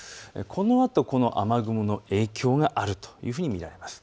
このあと、この雨雲の影響があるというふうに見られます。